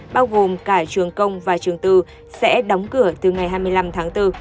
bao gồm cả trường công và trường tư sẽ đóng cửa từ ngày hai mươi năm tháng bốn